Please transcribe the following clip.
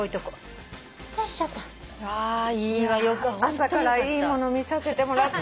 朝からいいもの見させてもらった。